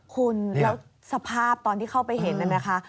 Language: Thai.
คุณแล้วสภาพตอนที่เข้าไปเห็นนั่นนะคะ